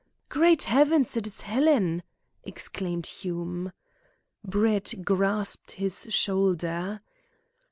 "Great Heavens! It is Helen!" exclaimed Hume. Brett grasped his shoulder.